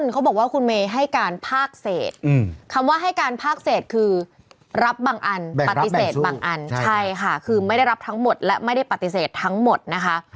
คำว่าไม่ได้รับทั้งหมดและไม่ได้ปฏิเสธทั้งหมดนะคะ